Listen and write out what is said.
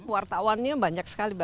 wartawannya banyak sekali